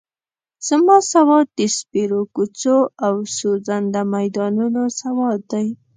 زما سواد د سپېرو کوڅو او سوځنده میدانونو سواد دی.